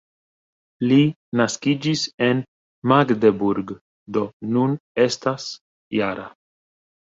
Li naskiĝis en Magdeburg, do nun estas -jara.